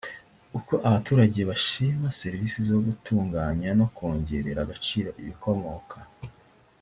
uko abaturage bashima serivisi zo gutunganya no kongerera agaciro ibikomoka